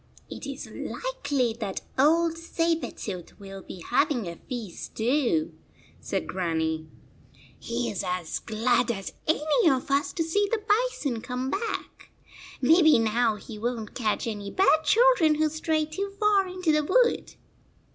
"It is likely that old Saber tooth will be having a feast too," said Grannie. " He is as glad as any of us to see the bison come back. Maybe now he w r on t catch any bad children who stray too far into the wood."